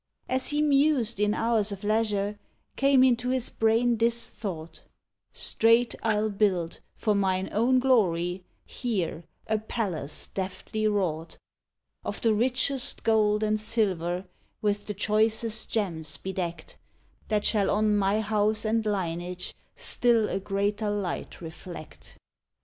As he mused in hours of leisure, Came into his brain this thought: "Straight I'll build, for mine own glory Here, a palace deftly wrought "Of the richest gold and silver; With the choicest gems bedecked; That shall on my house and lineage Still a greater light reflect.